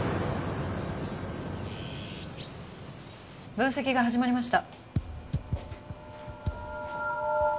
分析が始まりました。